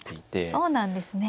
そうなんですね。